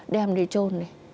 đem đi trôn đi